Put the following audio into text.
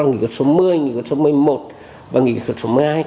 là nghị quyết số một mươi nghị quyết số một mươi một và nghị quyết số một mươi hai